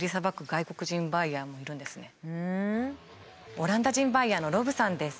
オランダ人バイヤーのロブさんです。